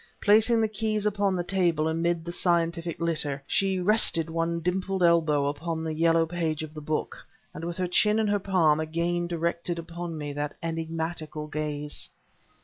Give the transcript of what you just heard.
Placing the keys upon the table amid the scientific litter, she rested one dimpled elbow upon the yellow page of the book, and with her chin in her palm, again directed upon me that enigmatical gaze.